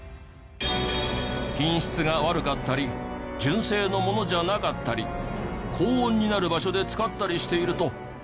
品質が悪かったり純正のものじゃなかったり高温になる場所で使ったりしていると。